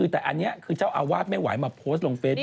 แต่อันนี้คือเจ้าอาวาสไม่ไหวมาโพสต์ลงเฟซ